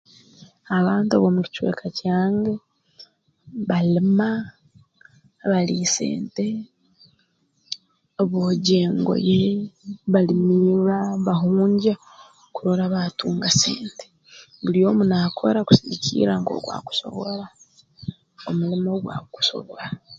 Abantu ab'omu kicweka kyange balima baliisa ente bogya engoye balimirra bahungya kurora baatunga sente buli omu naakora kusigikirra nk'oku akusobora omulimo ogwakusobora